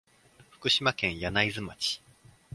福島県柳津町